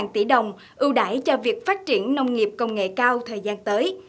năm mươi tỷ đồng ưu đải cho việc phát triển nông nghiệp công nghệ cao thời gian tới